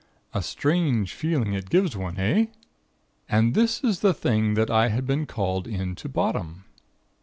A strange feeling it gives one eh? "And this is the thing that I had been called in to bottom!